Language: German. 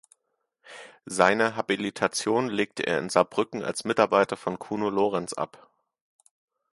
Seine Habilitation legte er in Saarbrücken als Mitarbeiter von Kuno Lorenz ab.